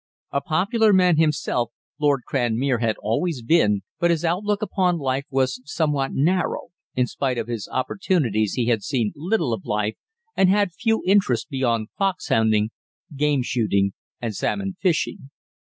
A popular man himself Lord Cranmere had always been, but his outlook upon life was somewhat narrow in spite of his opportunities he had seen little of life and had few interests beyond fox hunting, game shooting and salmon fishing.